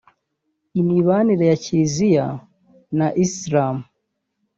imibanire ya Kiliziya na Islam